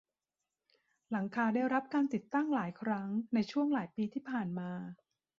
หลังคาได้รับการติดตั้งหลายครั้งในช่วงหลายปีที่ผ่านมา